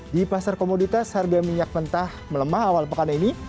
di pasar komoditas harga minyak mentah melemah awal pekan ini